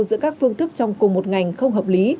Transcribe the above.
giữa các phương thức trong cùng một ngành không hợp lý